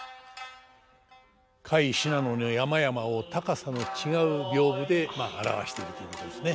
甲斐信濃の山々を高さの違う屏風で表しているということですね。